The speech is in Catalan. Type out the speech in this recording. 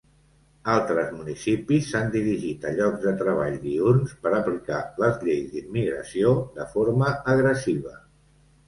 Altres municipis s'han dirigit a llocs de treball diürns per aplicar les lleis d'immigració de forma agressiva.